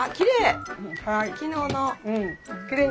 昨日の。